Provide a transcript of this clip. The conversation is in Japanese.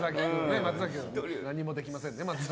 松崎君はね、何もできませんね。